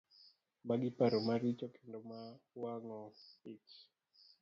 Magi paro maricho kendo ma wang'o ich.